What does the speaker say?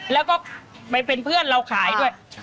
แล้วก็ไปเป็นเพื่อนเราขายด้วย